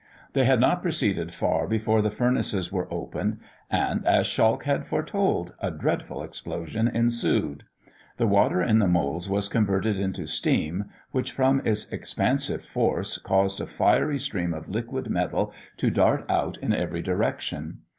They had not proceeded far before the furnaces were opened, and, as Schalch had foretold, a dreadful explosion ensued. The water in the moulds was converted into steam, which from its expansive force caused a fiery stream of liquid metal to dart out in every direction.